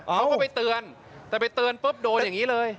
เขาก็ไปเตือนแต่ไปเตือนปุ๊บโดนอย่างนี้เลย